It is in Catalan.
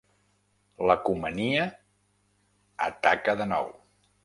L'Ecomania ataca de nou.